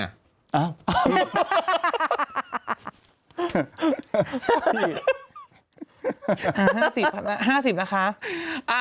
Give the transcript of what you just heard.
๕๐นะคะ